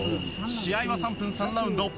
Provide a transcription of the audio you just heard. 試合は３分３ラウンド。